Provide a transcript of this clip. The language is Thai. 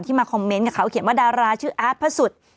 มาคอมเมนต์กับเขาเขียนว่าดาราชื่ออาร์ตพระสุทธิ์